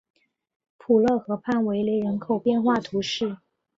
鲁勒河畔维雷人口变化图示